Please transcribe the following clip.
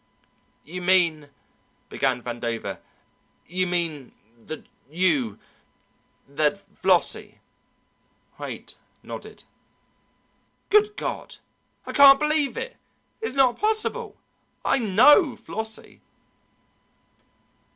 "You mean " began Vandover. "You mean that you that Flossie ?" Haight nodded. "Good God! I can't believe it. It's not possible! I know Flossie!"